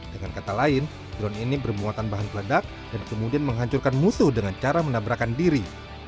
dengan kata lain drone ini bermuatan bahan peledak dan kemudian menghancurkan musuh dengan cara menabrakan diri